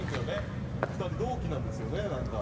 ２人同期なんですよねなんか。